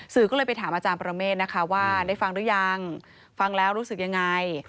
สื่อก็เลยไปถามอาจารย์ประเมฆนะคะว่าได้ฟังหรือยังฟังแล้วรู้สึกยังไง